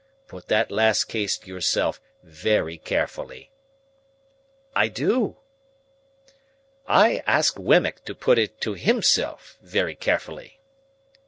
Put that last case to yourself very carefully." "I do." "I ask Wemmick to put it to _him_self very carefully."